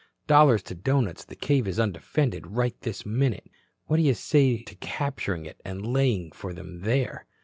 "Dollars to doughnuts, the cave is undefended right this minute. What do you say to capturing it and laying for them there?"